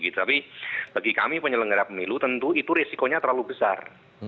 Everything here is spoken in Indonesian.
tapi bagi kami penyelenggara pemilu tentu itu risikonya terlalu besar